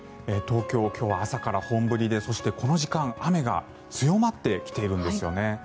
東京、今日は朝から本降りでそして、この時間雨が強まってきているんですよね。